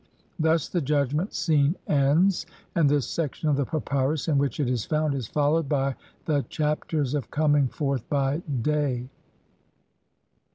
Thus the Judgment Scene ends, and this section of the papyrus in which it is found is followed by the "Chapters of Coming Forth by Day".